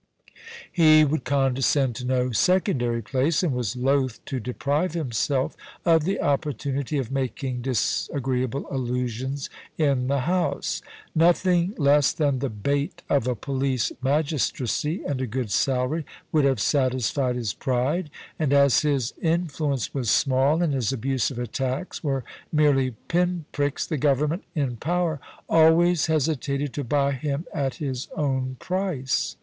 He would condescend to no secondary place, and was loth to deprive himself of the opportunity of making dis agreeable allusions in the House. Nothing less than the bait of a police magistracy and a good salary would have satisfied his pride ; and as his influence was small, and his abusive attacks were merely pinpricks, the Government in power always hesitated to buy him at his own price.